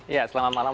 ya selamat malam